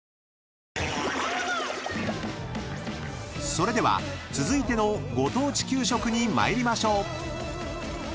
［それでは続いてのご当地給食に参りましょう］